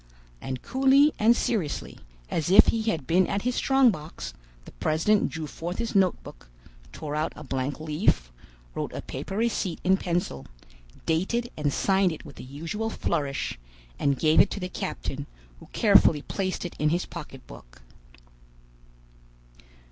And coolly and seriously, as if he had been at his strong box, the president drew forth his notebook, tore out a blank leaf, wrote a proper receipt in pencil, dated and signed it with the usual flourish, and gave it to the captain, who carefully placed it in his pocketbook.